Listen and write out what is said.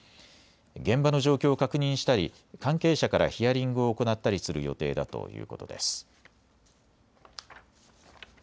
現場の状況を確認したり関係者からヒアリングを行ったりする予定だということです。